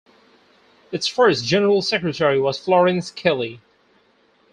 Its first general secretary was Florence Kelley.